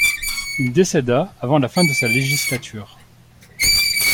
Il décéda avant la fin de sa législature.